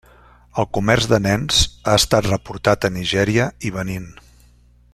El comerç de nens ha estat reportat a Nigèria i Benín.